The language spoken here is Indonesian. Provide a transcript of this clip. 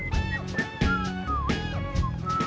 durang durang mereka mengontrol